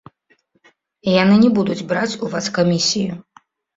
Яны не будуць браць у вас камісію.